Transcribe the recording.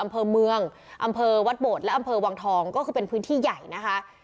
อำเภอเมืองอำเภอวัดโบดและอำเภอวังทองก็คือเป็นพื้นที่ใหญ่นะคะ